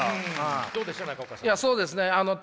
どうでした？